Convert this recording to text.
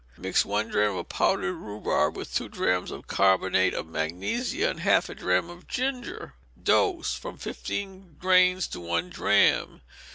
Mix one drachm of powdered rhubarb with two drachms of carbonate of magnesia, and half a drachm of ginger. Dose, from fifteen grains to one drachm.